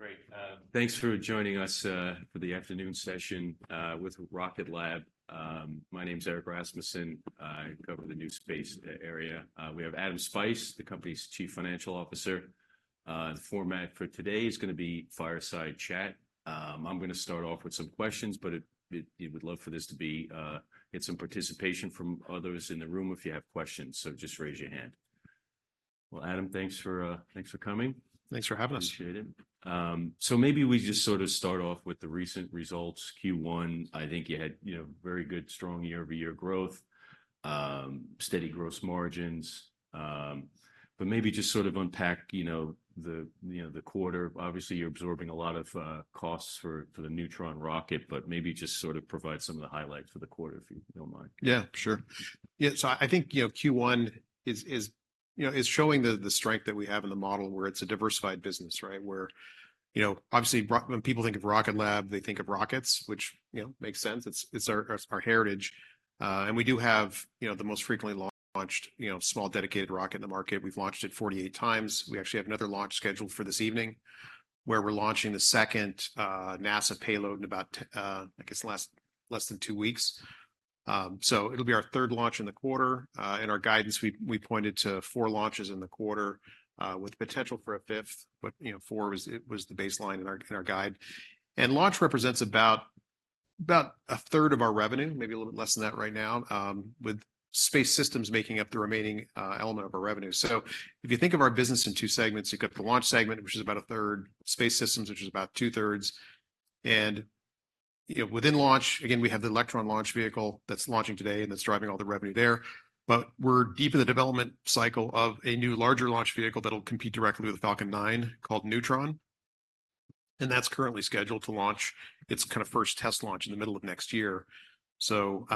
Great. Thanks for joining us for the afternoon session with Rocket Lab. My name's Erik Rasmussen. I cover the new space area. We have Adam Spice, the company's Chief Financial Officer. The format for today is gonna be fireside chat. I'm gonna start off with some questions, but it, it-- we'd love for this to be get some participation from others in the room if you have questions, so just raise your hand. Well, Adam, thanks for thanks for coming. Thanks for having us. Appreciate it. So maybe we just sort of start off with the recent results, Q1. I think you had, you know, very good, strong year-over-year growth, steady gross margins. But maybe just sort of unpack, you know, the, you know, the quarter. Obviously, you're absorbing a lot of costs for, for the Neutron rocket, but maybe just sort of provide some of the highlights for the quarter, if you don't mind. Yeah, sure. Yeah, so I think, you know, Q1 is showing the strength that we have in the model, where it's a diversified business, right? Where, you know, obviously, when people think of Rocket Lab, they think of rockets, which, you know, makes sense. It's our heritage. And we do have, you know, the most frequently launched, you know, small, dedicated rocket in the market. We've launched it 48 times. We actually have another launch scheduled for this evening, where we're launching the second NASA payload in about, I guess, less than two weeks. So it'll be our third launch in the quarter. In our guidance, we pointed to four launches in the quarter, with potential for a fifth, but you know, four was the baseline in our guide. Launch represents about a third of our revenue, maybe a little bit less than that right now, with space systems making up the remaining element of our revenue. So if you think of our business in two segments, you've got the launch segment, which is about a third, space systems, which is about two-thirds. You know, within launch, again, we have the Electron launch vehicle that's launching today and that's driving all the revenue there. But we're deep in the development cycle of a new larger launch vehicle that'll compete directly with the Falcon 9, called Neutron, and that's currently scheduled to launch its kind of first test launch in the middle of next year. So,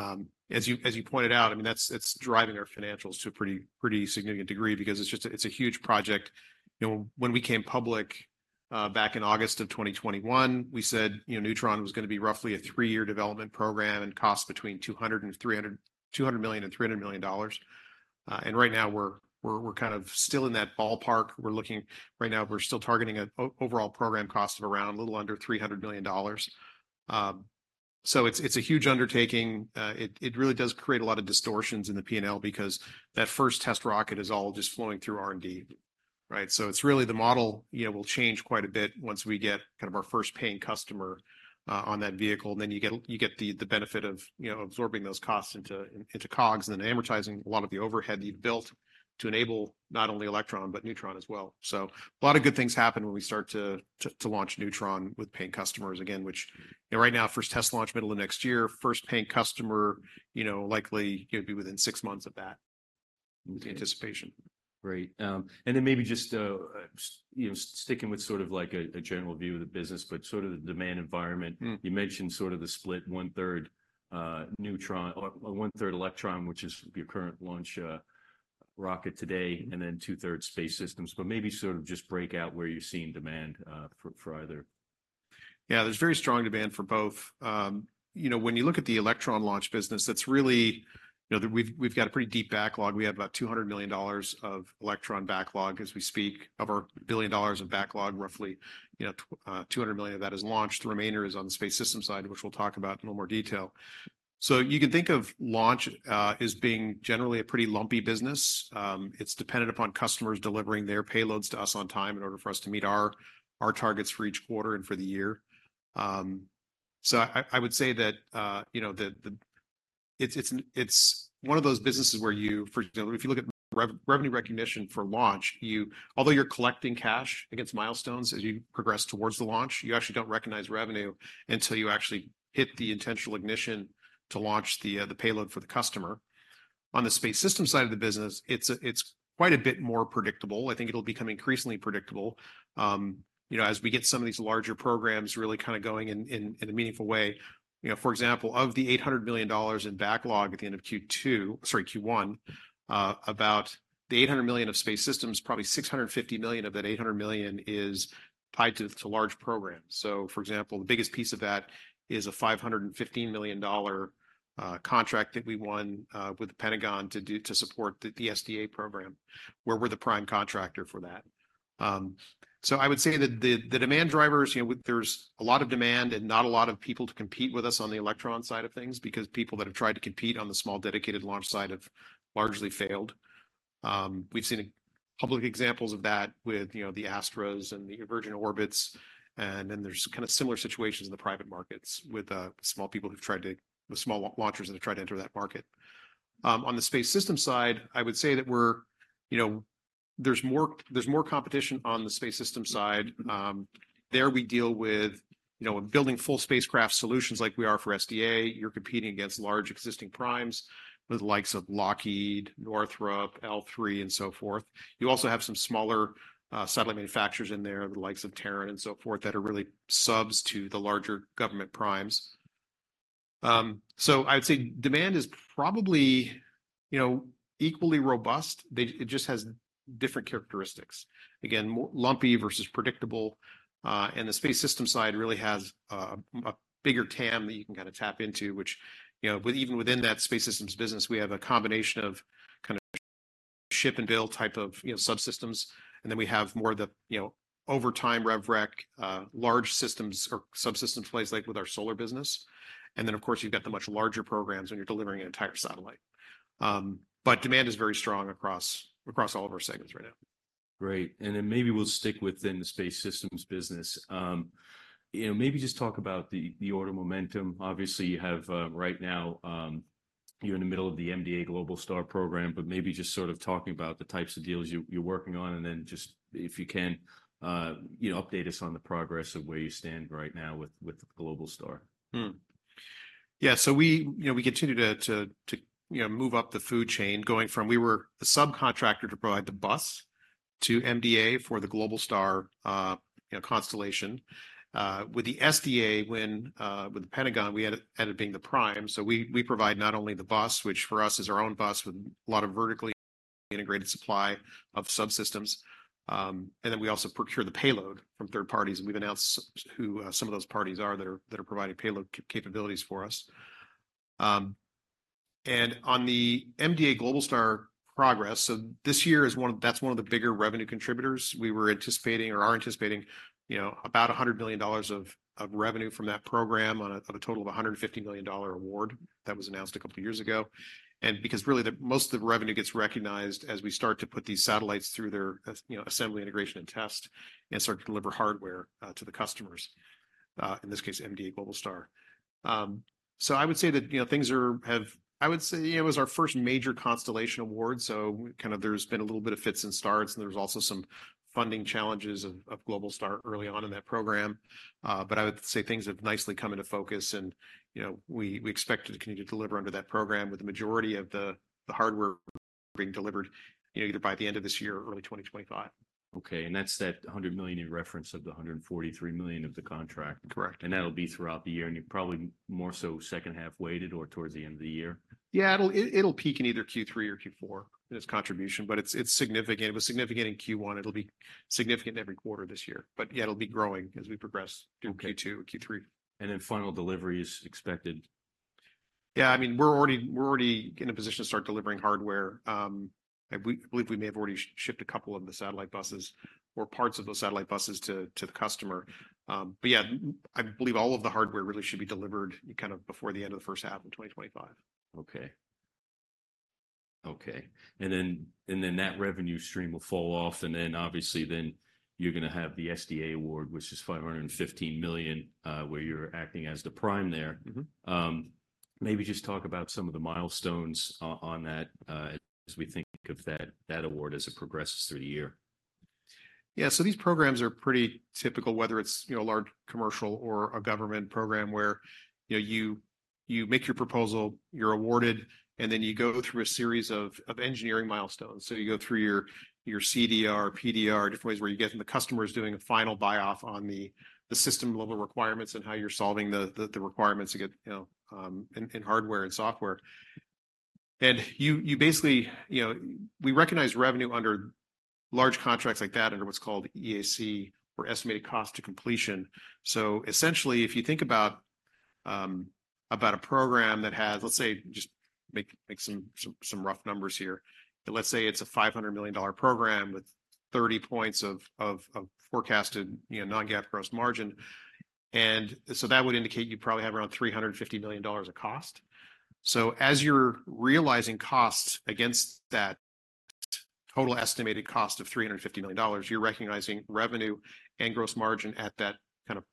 as you pointed out, I mean, that's—it's driving our financials to a pretty significant degree because it's just a huge project. You know, when we came public back in August of 2021, we said, you know, Neutron was gonna be roughly a three-year development program and cost between 200 and 300, 200 million and 300 million dollars. And right now, we're kind of still in that ballpark. We're looking right now we're still targeting an overall program cost of around a little under $300 million. So it's a huge undertaking. It really does create a lot of distortions in the P&L because that first test rocket is all just flowing through R&D, right? So it's really the model, you know, will change quite a bit once we get kind of our first paying customer on that vehicle. Then you get the benefit of, you know, absorbing those costs into COGS and then amortizing a lot of the overhead that you've built to enable not only Electron, but Neutron as well. So a lot of good things happen when we start to launch Neutron with paying customers again, which, you know, right now, first test launch, middle of next year. First paying customer, you know, likely gonna be within six months of that, with anticipation. Great. And then maybe just, you know, sticking with sort of like a general view of the business, but sort of the demand environment. You mentioned sort of the split, one-third Neutron, or one-third Electron, which is your current launch rocket today, and then two-thirds space systems, but maybe sort of just break out where you're seeing demand for either. Yeah, there's very strong demand for both. You know, when you look at the Electron launch business, that's really, you know, we've, we've got a pretty deep backlog. We have about $200 million of Electron backlog as we speak. Of our $1 billion of backlog, roughly, you know, $200 million of that is launch. The remainder is on the space system side, which we'll talk about in a little more detail. So you can think of launch as being generally a pretty lumpy business. It's dependent upon customers delivering their payloads to us on time in order for us to meet our targets for each quarter and for the year. So I would say that, you know, it's one of those businesses where you, for... If you look at revenue recognition for launch, although you're collecting cash against milestones as you progress towards the launch, you actually don't recognize revenue until you actually hit the intentional ignition to launch the payload for the customer. On the space system side of the business, it's quite a bit more predictable. I think it'll become increasingly predictable, you know, as we get some of these larger programs really kind of going in a meaningful way. You know, for example, of the $800 million in backlog at the end of Q2, sorry, Q1, about the $800 million of space systems, probably $650 million of that $800 million is tied to large programs. So for example, the biggest piece of that is a $515 million contract that we won with the Pentagon to do to support the SDA program, where we're the prime contractor for that. So I would say that the demand drivers, you know, there's a lot of demand and not a lot of people to compete with us on the Electron side of things because people that have tried to compete on the small, dedicated launch side have largely failed. We've seen public examples of that with, you know, the Astra and the Virgin Orbit, and then there's kind of similar situations in the private markets with small people who've tried to the small launchers that have tried to enter that market. On the space system side, I would say that we're, you know, there's more, there's more competition on the space system side. Mm-hmm. There, we deal with, you know, building full spacecraft solutions like we are for SDA. You're competing against large existing primes, with the likes of Lockheed, Northrop, L3, and so forth. You also have some smaller, satellite manufacturers in there, the likes of Terran and so forth, that are really subs to the larger government primes. So I'd say demand is probably, you know, equally robust. It just has different characteristics. Again, more lumpy versus predictable, and the space system side really has a bigger TAM that you can kind of tap into, which, you know, with even within that space systems business, we have a combination of kind of ship and bill type of, you know, subsystems. And then we have more of the, you know, over time rev rec, large systems or subsystems in place, like with our solar business. And then, of course, you've got the much larger programs, when you're delivering an entire satellite. But demand is very strong across all of our segments right now. Great. And then maybe we'll stick within the space systems business. You know, maybe just talk about the order momentum. Obviously, you have right now you're in the middle of the MDA Globalstar program, but maybe just sort of talking about the types of deals you're working on. And then just, if you can, you know, update us on the progress of where you stand right now with Globalstar. Yeah, so we, you know, we continue to move up the food chain, going from we were the subcontractor to provide the bus to MDA for the Globalstar constellation. With the SDA, with the Pentagon, we ended up being the prime. So we provide not only the bus, which for us is our own bus, with a lot of vertically integrated supply of subsystems, and then we also procure the payload from third parties. And we've announced who some of those parties are that are providing payload capabilities for us. And on the MDA Globalstar progress, so this year is one of-- that's one of the bigger revenue contributors. We were anticipating or are anticipating, you know, about $100 million of revenue from that program on a total of a $150 million award that was announced a couple years ago. And because really, the most of the revenue gets recognized as we start to put these satellites through their you know, assembly, integration, and test, and start to deliver hardware to the customers, in this case, MDA Globalstar. So I would say that, you know, things are, I would say, it was our first major constellation award, so kind of there's been a little bit of fits and starts, and there was also some funding challenges of Globalstar early on in that program. But I would say things have nicely come into focus, and, you know, we expect to continue to deliver under that program, with the majority of the hardware being delivered, you know, either by the end of this year or early 2025. Okay, and that's that $100 million in reference of the $143 million of the contract? Correct. That'll be throughout the year, and you're probably more so second half weighted or towards the end of the year? Yeah, it'll peak in either Q3 or Q4 in its contribution, but it's significant. It was significant in Q1. It'll be significant every quarter this year, but yeah, it'll be growing as we progress. Okay... through Q2 or Q3. And then final delivery is expected? Yeah, I mean, we're already in a position to start delivering hardware. I believe we may have already shipped a couple of the satellite buses or parts of those satellite buses to the customer. But yeah, I believe all of the hardware really should be delivered kind of before the end of the first half of 2025. Okay, and then that revenue stream will fall off, and then obviously then, you're going to have the SDA award, which is $515 million, where you're acting as the prime there. Mm-hmm. Maybe just talk about some of the milestones on that as we think of that award as it progresses through the year. Yeah, so these programs are pretty typical, whether it's, you know, a large commercial or a government program, where, you know, you make your proposal, you're awarded, and then you go through a series of engineering milestones. So you go through your CDR, PDR, different ways where you get... And the customer is doing a final buy-off on the system-level requirements and how you're solving the requirements to get, you know, in hardware and software. And you basically, you know, we recognize revenue under large contracts like that under what's called EAC, or estimated cost to completion. So essentially, if you think about a program that has, let's say, just make some rough numbers here. Let's say it's a $500 million program with 30% of forecasted, you know, non-GAAP gross margin, and so that would indicate you probably have around $350 million of cost. So as you're realizing costs against that total estimated cost of $350 million, you're recognizing revenue and gross margin at that kind of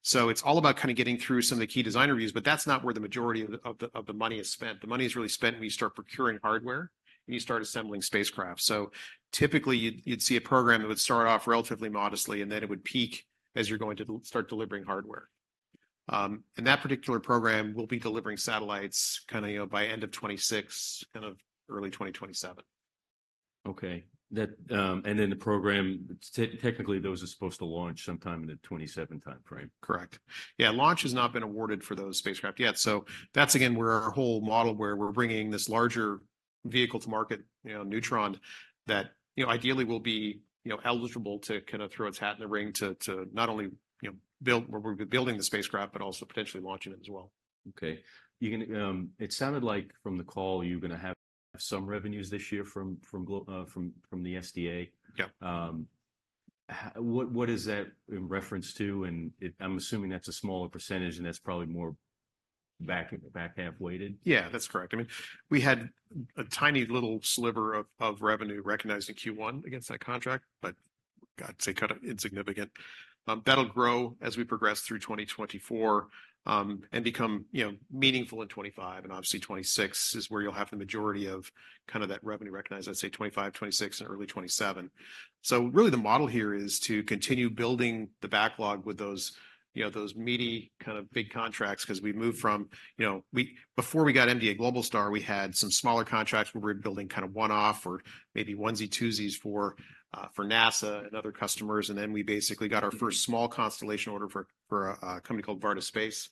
program level. So it's all about kind of getting through some of the key design reviews, but that's not where the majority of the money is spent. The money is really spent when you start procuring hardware and you start assembling spacecraft. So typically, you'd see a program that would start off relatively modestly, and then it would peak as you're going to start delivering hardware. That particular program will be delivering satellites, kind of, you know, by end of 2026, kind of early 2027. Okay, that, and then the program, technically, those are supposed to launch sometime in the 2027 time frame. Correct. Yeah, launch has not been awarded for those spacecraft yet. So that's again, where our whole model, where we're bringing this larger vehicle to market, you know, Neutron, that, you know, ideally will be, you know, eligible to kind of throw its hat in the ring to, to not only, you know, build, we're building the spacecraft, but also potentially launching it as well. Okay. You can, it sounded like from the call, you're going to have some revenues this year from the SDA. Yep. What is that in reference to? And it, I'm assuming that's a smaller percentage, and that's probably more back half weighted. Yeah, that's correct. I mean, we had a tiny little sliver of revenue recognized in Q1 against that contract, but I'd say kind of insignificant. That'll grow as we progress through 2024, and become, you know, meaningful in 2025. And obviously, 2026 is where you'll have the majority of kind of that revenue recognized, I'd say 2025, 2026, and early 2027. So really, the model here is to continue building the backlog with those, you know, those meaty, kind of big contracts. 'Cause we moved from you know, we, before we got MDA Globalstar, we had some smaller contracts, where we were building kind of one-off or maybe onesie-twosies for for NASA and other customers. And then we basically got our first small constellation order for a company called Varda Space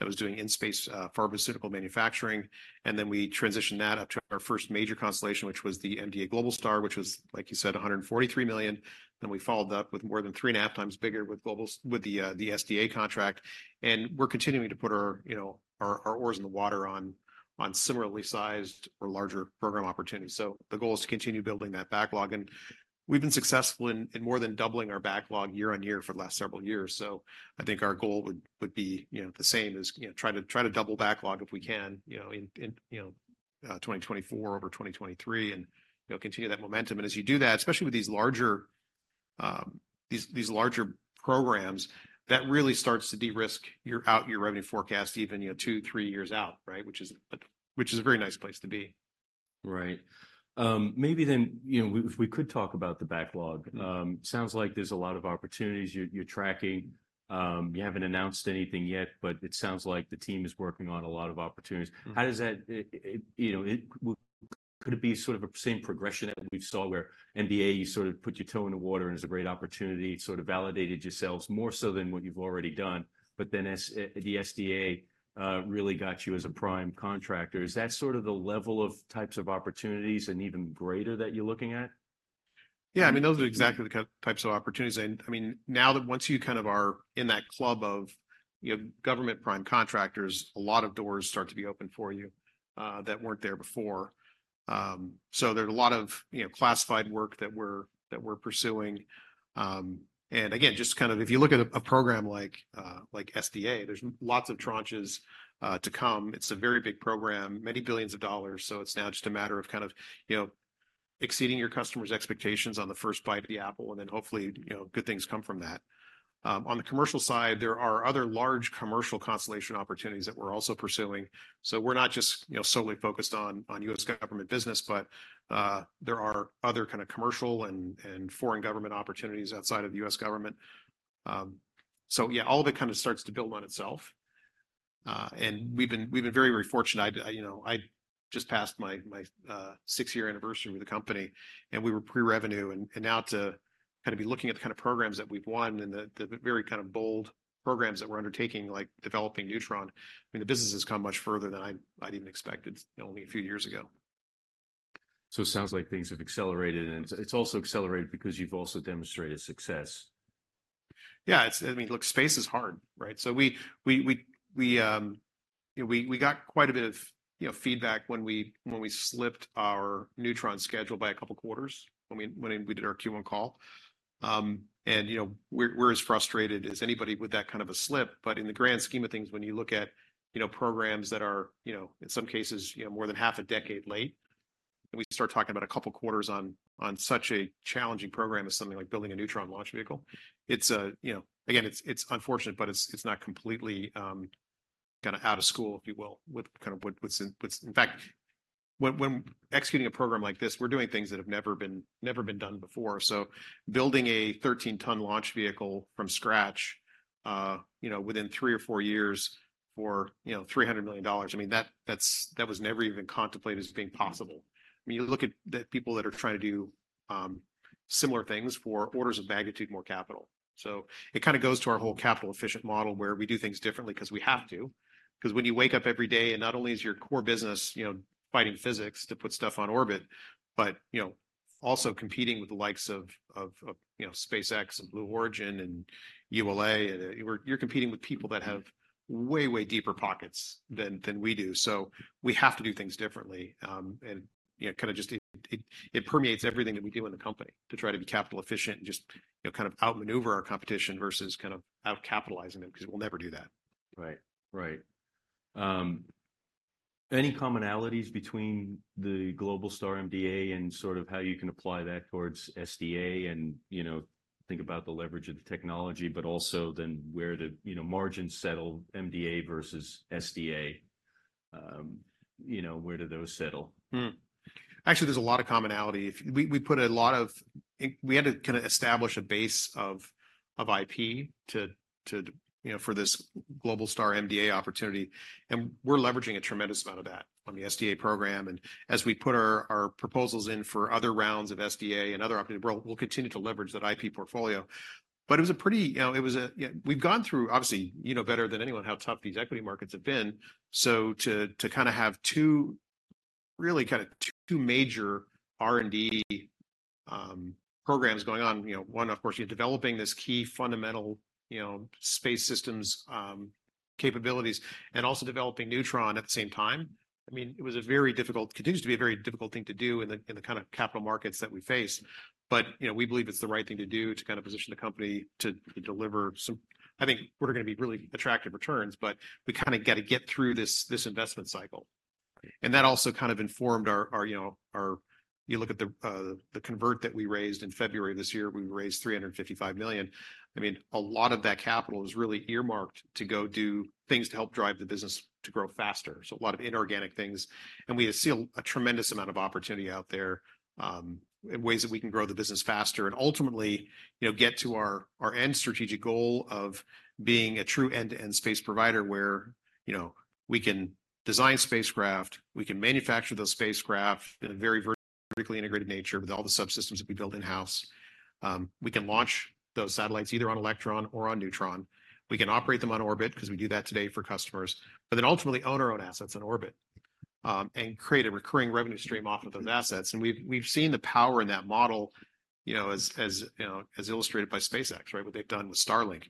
that was doing in-space pharmaceutical manufacturing. And then we transitioned that up to our first major constellation, which was the MDA Globalstar, which was, like you said, $143 million. Then we followed up with more than 3.5 times bigger with the SDA contract. And we're continuing to put our, you know, our, our oars in the water on, on similarly sized or larger program opportunities. So the goal is to continue building that backlog, and we've been successful in more than doubling our backlog year-over-year for the last several years. So I think our goal would be, you know, the same as, you know, try to double backlog if we can, you know, in 2024 over 2023, and, you know, continue that momentum. And as you do that, especially with these larger-... These larger programs that really starts to de-risk your out-year revenue forecast, even, you know, two, three years out, right? Which is a very nice place to be. Right. Maybe then, you know, if we could talk about the backlog. Mm-hmm. Sounds like there's a lot of opportunities you're tracking. You haven't announced anything yet, but it sounds like the team is working on a lot of opportunities. Mm-hmm. How does that, you know, could it be sort of the same progression that we saw where MDA, you sort of put your toe in the water, and it was a great opportunity? It sort of validated yourselves more so than what you've already done. But then the SDA really got you as a prime contractor. Is that sort of the level of types of opportunities and even greater that you're looking at? Yeah, I mean, those are exactly the types of opportunities. And, I mean, now that once you kind of are in that club of, you know, government prime contractors, a lot of doors start to be open for you, that weren't there before. So there's a lot of, you know, classified work that we're, that we're pursuing. And again, just kind of if you look at a program like, like SDA, there's lots of tranches to come. It's a very big program, many billions of dollars. So it's now just a matter of kind of, you know, exceeding your customer's expectations on the first bite of the apple, and then hopefully, you know, good things come from that. On the commercial side, there are other large commercial constellation opportunities that we're also pursuing, so we're not just, you know, solely focused on U.S. government business. But there are other kind of commercial and foreign government opportunities outside of the U.S. government. So yeah, all of it kind of starts to build on itself. And we've been very fortunate. You know, I just passed my six-year anniversary with the company, and we were pre-revenue. And now to kind of be looking at the kind of programs that we've won and the very kind of bold programs that we're undertaking, like developing Neutron, I mean, the business has come much further than I'd even expected only a few years ago. It sounds like things have accelerated, and it's also accelerated because you've also demonstrated success. Yeah, it's. I mean, look, space is hard, right? So we, you know, got quite a bit of, you know, feedback when we slipped our Neutron schedule by a couple quarters, when we did our Q1 call. And, you know, we're as frustrated as anybody with that kind of a slip. But in the grand scheme of things, when you look at, you know, programs that are, you know, in some cases, you know, more than half a decade late, and we start talking about a couple quarters on such a challenging program as something like building a Neutron launch vehicle. It's, you know... Again, it's unfortunate, but it's not completely kind of out of school, if you will, with kind of what's in. In fact, when executing a program like this, we're doing things that have never been done before. So building a 13-ton launch vehicle from scratch, you know, within three or four years for, you know, $300 million, I mean, that was never even contemplated as being possible. I mean, you look at the people that are trying to do similar things for orders of magnitude more capital. So it kind of goes to our whole capital-efficient model, where we do things differently 'cause we have to. 'Cause when you wake up every day, and not only is your core business, you know, fighting physics to put stuff on orbit, but, you know, also competing with the likes of, of, you know, SpaceX and Blue Origin and ULA, and you're competing with people that have way, way deeper pockets than we do. So we have to do things differently. And, you know, kind of just, it permeates everything that we do in the company to try to be capital efficient and just, you know, kind of outmaneuver our competition versus kind of out-capitalizing them, 'cause we'll never do that. Right. Right. Any commonalities between the Globalstar MDA and sort of how you can apply that towards SDA and, you know, think about the leverage of the technology, but also then where the, you know, margins settle, MDA versus SDA? You know, where do those settle? Actually, there's a lot of commonality. We put a lot of, we had to kind of establish a base of IP to, you know, for this Globalstar MDA opportunity, and we're leveraging a tremendous amount of that on the SDA program. And as we put our proposals in for other rounds of SDA and other opportunity, we'll continue to leverage that IP portfolio. But it was a, you know, it was a, we've gone through, obviously, you know better than anyone, how tough these equity markets have been. So to kind of have two, really kind of two major R&D programs going on, you know, one, of course, you're developing this key, fundamental, you know, space systems capabilities, and also developing Neutron at the same time. I mean, it was a very difficult, continues to be a very difficult thing to do in the, in the kind of capital markets that we face. But, you know, we believe it's the right thing to do to kind of position the company to, to deliver some—I think we're gonna be really attractive returns, but we kind of got to get through this, this investment cycle. Right. That also kind of informed our, you know, our. You look at the convert that we raised in February of this year, we raised $355 million. I mean, a lot of that capital is really earmarked to go do things to help drive the business to grow faster, so a lot of inorganic things. And we see a tremendous amount of opportunity out there in ways that we can grow the business faster and ultimately, you know, get to our end strategic goal of being a true end-to-end space provider, where, you know, we can design spacecraft, we can manufacture those spacecraft in a very vertically integrated nature with all the subsystems that we build in-house. We can launch those satellites either on Electron or on Neutron. We can operate them on orbit, 'cause we do that today for customers, but then ultimately own our own assets on orbit, and create a recurring revenue stream off of those assets. And we've seen the power in that model, you know, as you know, as illustrated by SpaceX, right? What they've done with Starlink.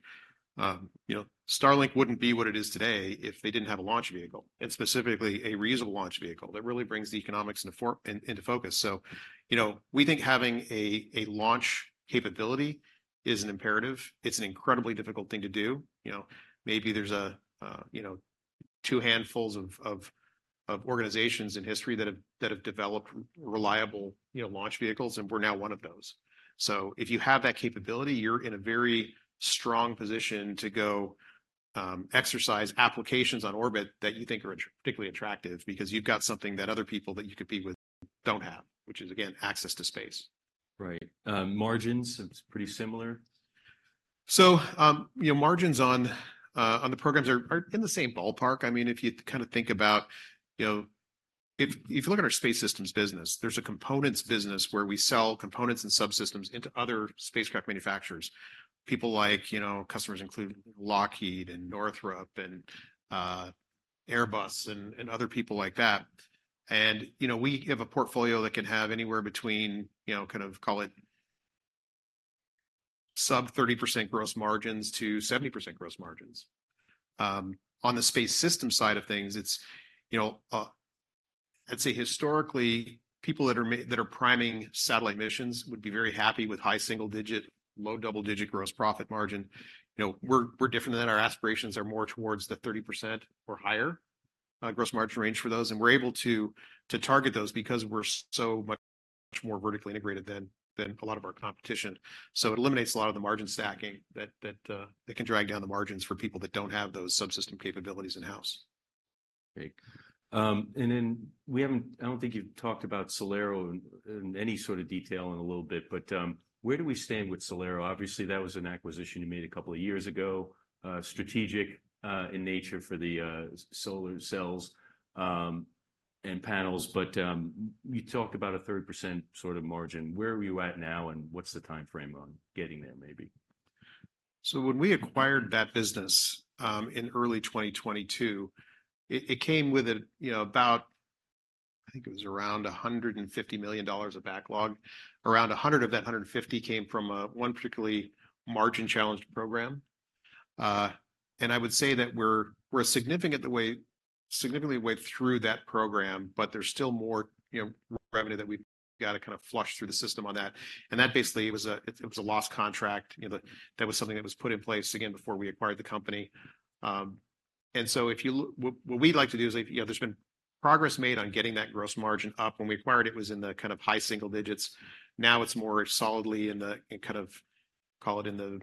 You know, Starlink wouldn't be what it is today if they didn't have a launch vehicle, and specifically a reusable launch vehicle that really brings the economics into focus. So, you know, we think having a launch capability is an imperative. It's an incredibly difficult thing to do. You know, maybe there's two handfuls of organizations in history that have developed reliable launch vehicles, and we're now one of those. So if you have that capability, you're in a very strong position to go exercise applications on orbit that you think are particularly attractive, because you've got something that other people that you compete with don't have, which is, again, access to space. Right. Margins, it's pretty similar? So, you know, margins on the programs are in the same ballpark. I mean, if you kind of think about, you know, if you look at our space systems business, there's a components business where we sell components and subsystems into other spacecraft manufacturers. People like, you know, customers include Lockheed and Northrop and Airbus and other people like that. And, you know, we have a portfolio that can have anywhere between, you know, kind of call it sub-30%-70% gross margins. On the space system side of things, it's, you know, I'd say historically, people that are priming satellite missions would be very happy with high single-digit, low double-digit gross profit margin. You know, we're different than that. Our aspirations are more towards the 30% or higher gross margin range for those, and we're able to target those because we're so much more vertically integrated than a lot of our competition. So it eliminates a lot of the margin stacking that can drag down the margins for people that don't have those subsystem capabilities in-house. Great. And then, we haven't—I don't think you've talked about SolAero in any sort of detail in a little bit, but where do we stand with SolAero? Obviously, that was an acquisition you made a couple of years ago, strategic in nature for the solar cells and panels, but you talked about a 30% sort of margin. Where are we at now, and what's the time frame on getting there, maybe? So when we acquired that business, in early 2022, it came with a, you know, about $150 million of backlog. Around 100 of that 150 came from one particularly margin-challenged program. And I would say that we're significantly through that program, but there's still more, you know, revenue that we've got to kind of flush through the system on that. And that basically it was a lost contract, you know, that was something that was put in place, again, before we acquired the company. And so what we'd like to do is, you know, there's been progress made on getting that gross margin up. When we acquired it, it was in the kind of high single digits. Now, it's more solidly in the, in kind of, call it in the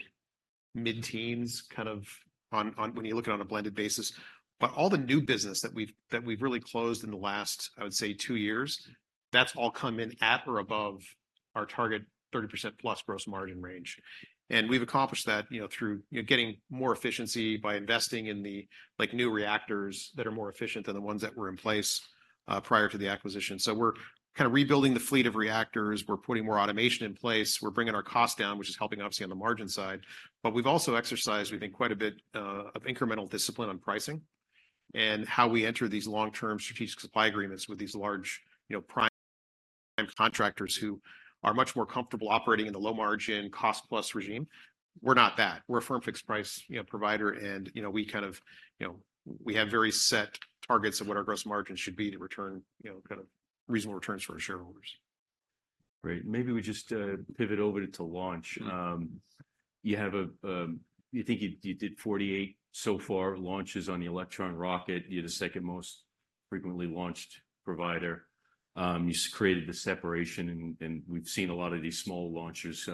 mid-teens, kind of, on, on - when you look at it on a blended basis. But all the new business that we've, that we've really closed in the last, I would say, two years, that's all come in at or above our target 30%+ gross margin range. And we've accomplished that, you know, through, you know, getting more efficiency by investing in the, like, new reactors that are more efficient than the ones that were in place prior to the acquisition. So we're kind of rebuilding the fleet of reactors, we're putting more automation in place, we're bringing our costs down, which is helping obviously on the margin side. But we've also exercised, we think, quite a bit of incremental discipline on pricing and how we enter these long-term strategic supply agreements with these large, you know, prime contractors who are much more comfortable operating in the low margin, cost-plus regime. We're not that. We're a Firm Fixed-Price, you know, provider, and, you know, we kind of, you know, we have very set targets of what our gross margins should be to return, you know, kind of reasonable returns for our shareholders. Great. Maybe we just pivot over to launch. Mm-hmm. You have a you think you did 48, so far, launches on the Electron rocket. You're the second most frequently launched provider. You created the separation, and we've seen a lot of these small launchers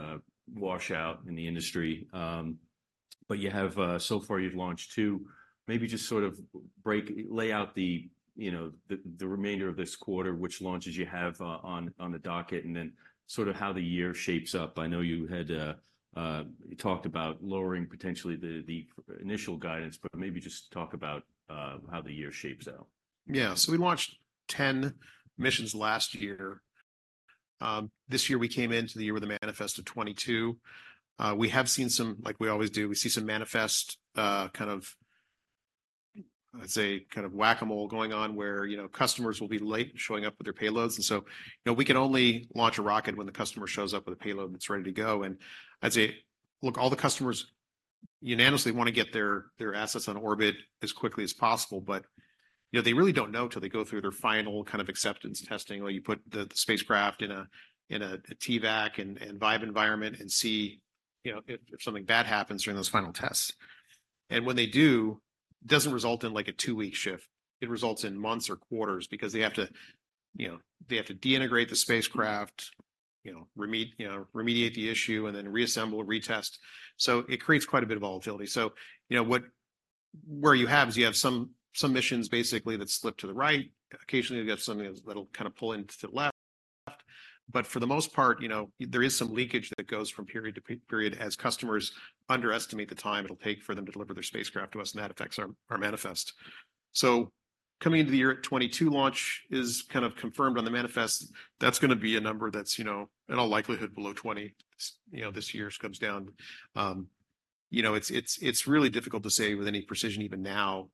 wash out in the industry. But you have, so far, you've launched two. Maybe just sort of lay out the, you know, the remainder of this quarter, which launches you have on the docket, and then sort of how the year shapes up. I know you had talked about lowering potentially the initial guidance, but maybe just talk about how the year shapes out. Yeah. So we launched 10 missions last year. This year, we came into the year with a manifest of 22. We have seen some, like we always do, we see some manifest kind of, I'd say, kind of, whack-a-mole going on, where, you know, customers will be late showing up with their payloads. And so, you know, we can only launch a rocket when the customer shows up with a payload that's ready to go. And I'd say, look, all the customers unanimously want to get their, their assets on orbit as quickly as possible, but, you know, they really don't know till they go through their final kind of acceptance testing, where you put the spacecraft in a, in a TVAC and, and vibe environment and see, you know, if, if something bad happens during those final tests. When they do, it doesn't result in, like, a two-week shift. It results in months or quarters because they have to, you know, they have to deintegrate the spacecraft, you know, remediate the issue, and then reassemble, retest. So it creates quite a bit of volatility. So, you know, what you have is you have some missions basically that slip to the right. Occasionally, you'll get something that'll kind of pull in to the left. But for the most part, you know, there is some leakage that goes from period to period as customers underestimate the time it'll take for them to deliver their spacecraft to us, and that affects our manifest. So coming into the year at 22 launch is kind of confirmed on the manifest. That's gonna be a number that's, you know, in all likelihood, below 20, you know, this year's comes down. You know, it's really difficult to say with any precision even now,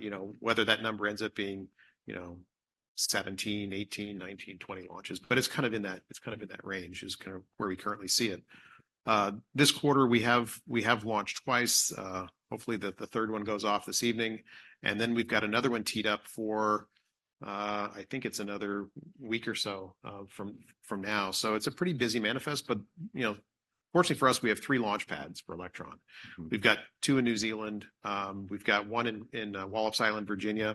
you know, whether that number ends up being, you know, 17, 18, 19, 20 launches. But it's kind of in that, it's kind of in that range, is kind of where we currently see it. This quarter, we have launched twice. Hopefully, the third one goes off this evening, and then we've got another one teed up for. I think it's another week or so, from now. So it's a pretty busy manifest, but, you know, fortunately for us, we have three launch pads for Electron. Mm-hmm. We've got two in New Zealand, we've got one in Wallops Island, Virginia.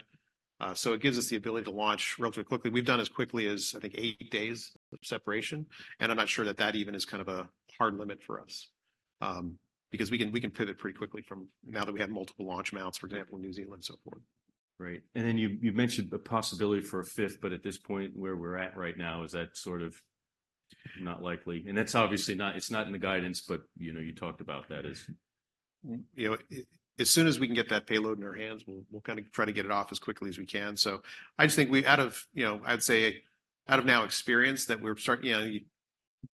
So it gives us the ability to launch relatively quickly. We've done as quickly as, I think, eight days of separation, and I'm not sure that that even is kind of a hard limit for us. Because we can pivot pretty quickly from. Now that we have multiple launch mounts, for example, New Zealand, so forth. Right. And then you mentioned the possibility for a fifth, but at this point, where we're at right now, is that sort of not likely? And that's obviously not, it's not in the guidance, but, you know, you talked about that as... You know, as soon as we can get that payload in our hands, we'll, we'll kind of try to get it off as quickly as we can. So I just think we're out of, you know, I'd say, out of our experience now that we're starting, you know, we've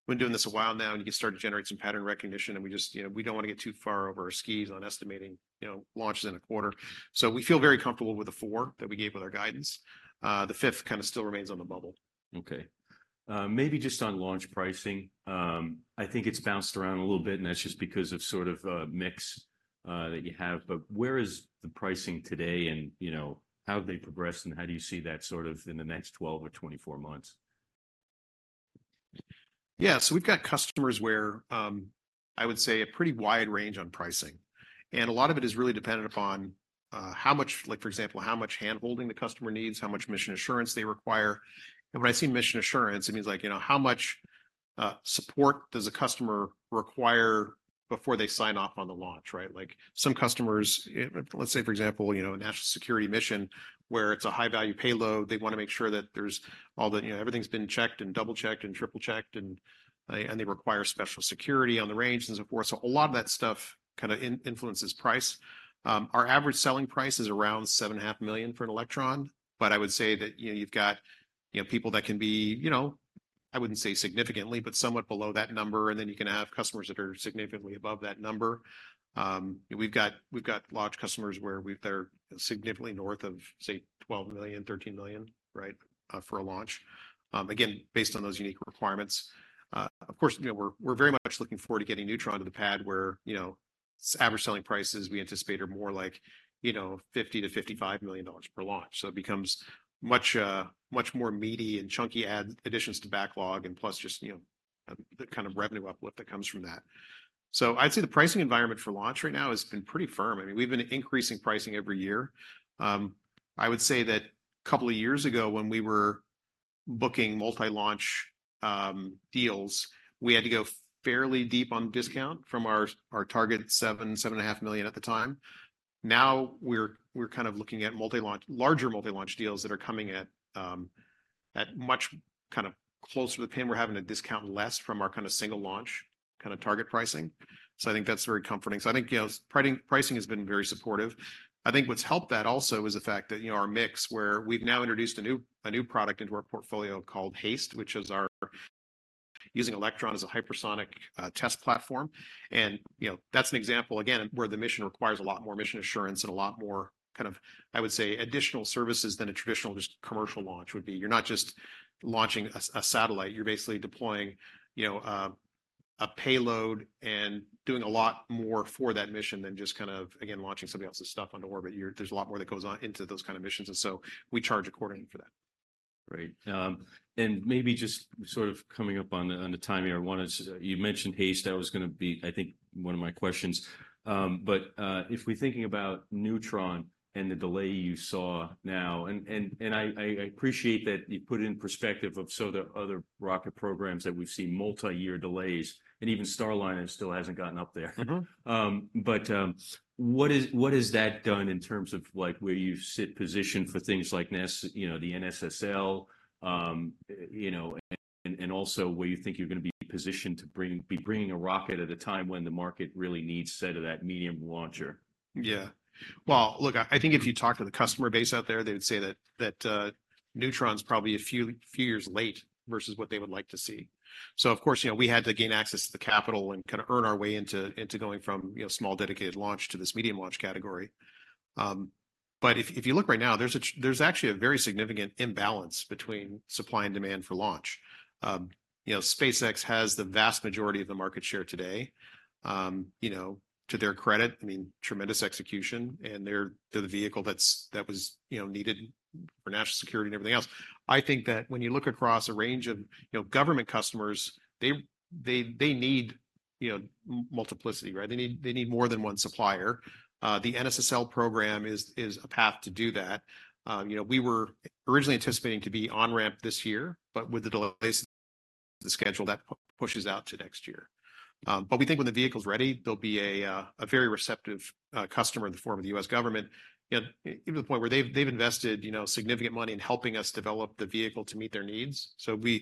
been doing this a while now, and you can start to generate some pattern recognition, and we just, you know, we don't want to get too far over our skis on estimating, you know, launches in a quarter. So we feel very comfortable with the four that we gave with our guidance. The fifth kind of still remains on the bubble. Okay. Maybe just on launch pricing, I think it's bounced around a little bit, and that's just because of sort of mix that you have, but where is the pricing today, and you know, how have they progressed, and how do you see that sort of in the next 12 or 24 months? Yeah, so we've got customers where I would say a pretty wide range on pricing. And a lot of it is really dependent upon how much, like, for example, how much handholding the customer needs, how much mission assurance they require. And when I say mission assurance, it means like, you know, how much support does a customer require before they sign off on the launch, right? Like, some customers, let's say, for example, you know, a national security mission, where it's a high-value payload, they wanna make sure that there's all the, you know, everything's been checked and double-checked and triple-checked, and they require special security on the range and so forth. So a lot of that stuff kind of influences price. Our average selling price is around $7.5 million for an Electron, but I would say that, you know, you've got, you know, people that can be, you know, I wouldn't say significantly, but somewhat below that number, and then you can have customers that are significantly above that number. We've got, we've got large customers where they're significantly north of, say, $12 million, $13 million, right, for a launch. Again, based on those unique requirements. Of course, you know, we're very much looking forward to getting Neutron to the pad, where, you know, average selling prices, we anticipate, are more like, you know, $50-$55 million per launch. So it becomes much, much more meaty and chunky additions to backlog, and plus just, you know, the kind of revenue uplift that comes from that. So I'd say the pricing environment for launch right now has been pretty firm. I mean, we've been increasing pricing every year. I would say that a couple of years ago, when we were booking multi-launch deals, we had to go fairly deep on discount from our target $7 million-$7.5 million at the time. Now, we're kind of looking at multi-launch, larger multi-launch deals that are coming at, at much kind of closer to the pin. We're having to discount less from our kind of single launch, kind of target pricing. So I think that's very comforting. So I think, you know, pricing, pricing has been very supportive. I think what's helped that also is the fact that, you know, our mix, where we've now introduced a new product into our portfolio called HASTE, which is our... Using Electron as a hypersonic test platform. You know, that's an example, again, where the mission requires a lot more mission assurance and a lot more kind of, I would say, additional services than a traditional just commercial launch would be. You're not just launching a satellite, you're basically deploying, you know, a payload and doing a lot more for that mission than just kind of, again, launching somebody else's stuff into orbit. You're. There's a lot more that goes on into those kind of missions, and so we charge accordingly for that. Right. And maybe just sort of coming up on the, on the timing, I wanted to— You mentioned HASTE. That was gonna be, I think, one of my questions. But if we're thinking about Neutron and the delay you saw now, and I appreciate that you put it in perspective of so the other rocket programs that we've seen multiyear delays, and even Starliner still hasn't gotten up there. Mm-hmm. What has that done in terms of, like, where you sit positioned for things like, you know, the NSSL? You know, and also, where you think you're gonna be positioned to be bringing a rocket at a time when the market really needs sort of that medium launcher. Yeah. Well, look, I, I think if you talk to the customer base out there, they'd say that, that, Neutron's probably a few, few years late versus what they would like to see. So of course, you know, we had to gain access to the capital and kind of earn our way into, into going from, you know, small dedicated launch to this medium launch category. But if, if you look right now, there's actually a very significant imbalance between supply and demand for launch. You know, SpaceX has the vast majority of the market share today. You know, to their credit, I mean, tremendous execution, and they're the vehicle that's, that was, you know, needed for national security and everything else. I think that when you look across a range of, you know, government customers, they need, you know, multiplicity, right? They need more than one supplier. The NSSL program is a path to do that. You know, we were originally anticipating to be on ramp this year, but with the delays, the schedule, that pushes out to next year. But we think when the vehicle's ready, there'll be a very receptive customer in the form of the U.S. government, and even to the point where they've invested, you know, significant money in helping us develop the vehicle to meet their needs. So we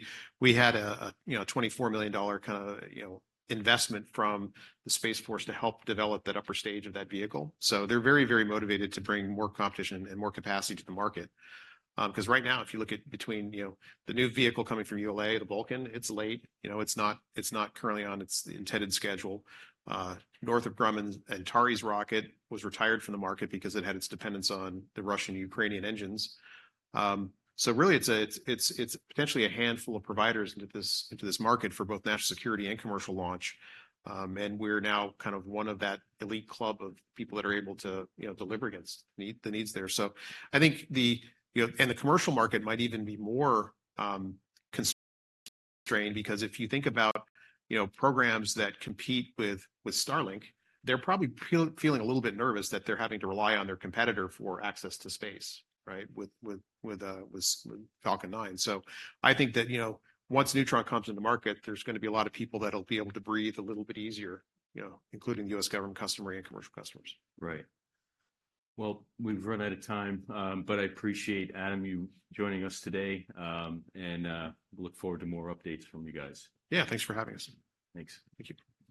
had a $24 million kind of, you know, investment from the Space Force to help develop that upper stage of that vehicle. So they're very, very motivated to bring more competition and more capacity to the market. 'Cause right now, if you look at between, you know, the new vehicle coming from ULA, the Vulcan, it's late. You know, it's not, it's not currently on its intended schedule. Northrop Grumman's Antares rocket was retired from the market because it had its dependence on the Russian-Ukrainian engines. So really, it's potentially a handful of providers into this, into this market for both national security and commercial launch. And we're now kind of one of that elite club of people that are able to, you know, deliver against need, the needs there. So I think, you know, the commercial market might even be more constrained, because if you think about, you know, programs that compete with Starlink, they're probably feeling a little bit nervous that they're having to rely on their competitor for access to space, right? With Falcon 9. So I think that, you know, once Neutron comes into market, there's gonna be a lot of people that'll be able to breathe a little bit easier, you know, including U.S. government customer and commercial customers. Right. Well, we've run out of time, but I appreciate, Adam, you joining us today, and we look forward to more updates from you guys. Yeah, thanks for having us. Thanks. Thank you.